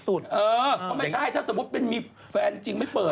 เออไม่ใช่ถ้าสมมติมีแฟนจริงไม่เปิดหรอก